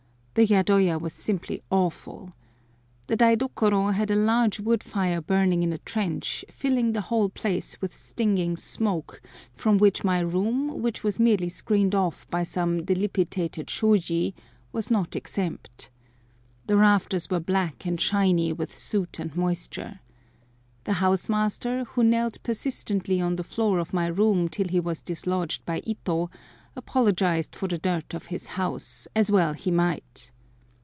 The yadoya was simply awful. The daidokoro had a large wood fire burning in a trench, filling the whole place with stinging smoke, from which my room, which was merely screened off by some dilapidated shôji, was not exempt. The rafters were black and shiny with soot and moisture. The house master, who knelt persistently on the floor of my room till he was dislodged by Ito, apologised for the dirt of his house, as well he might.